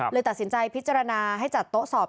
เลยตัดสินใจพิจารณาให้จัดโต๊ะสอบ